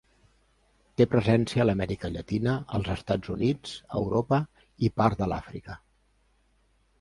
Té presència a l'Amèrica Llatina, els Estats Units, Europa i part de l'Àfrica.